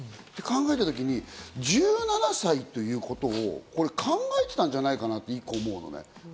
考えた時に１７歳ということを考えてたんじゃないかな？と一個思うのね。